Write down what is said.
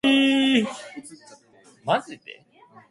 He was the grandson of the Scottish botanist Doctor James Anderson.